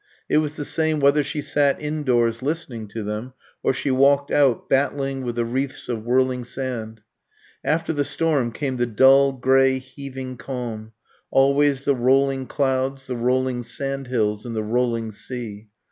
It was the same whether she sat indoors listening to them, or she walked out, battling with the wreaths of whirling sand. After the storm came the dull, grey, heaving calm, always the rolling clouds, the rolling sand hills, and the rolling sea.